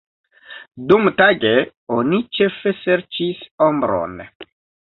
Dumtage oni ĉefe serĉis ombron.